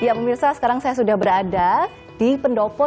ya pemirsa sekarang saya sudah berada di pendopo